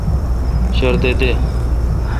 شردہ دے۔